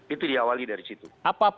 itu diawali dari situ